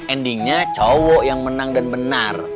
endingnya cowok yang menang dan benar